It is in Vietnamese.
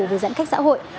về giãn cách xã hội